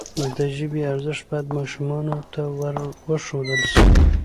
د ژبي ارزښت باید ماشومانو ته وروښودل سي.